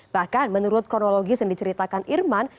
bahkan menurut kronologis yang diceritakan irman